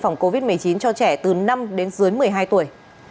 phòng covid một mươi chín cho trẻ từ năm đến dưới một mươi hai tuổi